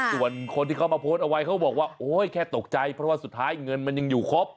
ส่วนคนที่เขามาโพสต์เอาไว้เขาบอกว่าโอ๊ยแค่ตกใจเพราะว่าสุดท้ายเงินมันยังอยู่ครบ